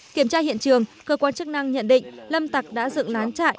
kiểm tra hiện trường cơ quan chức năng nhận định lâm tặc đã dựng nán chạy